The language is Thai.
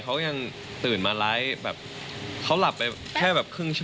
ไม่อย่าสลบแบบไม่ได้กินนะ